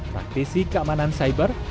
praktisi keamanan cyber